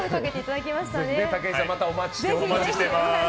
武井さんまたお待ちしております。